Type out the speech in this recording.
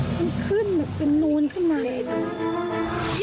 มันขึ้นเป็นนี้วนขนาดนี้